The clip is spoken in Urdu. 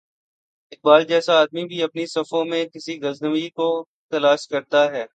اقبال جیسا آدمی بھی اپنی صفوں میں کسی غزنوی کو تلاش کرتا ہے۔